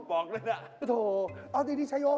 บอกด้วยนะโถ่เอาดีชะยอดเลย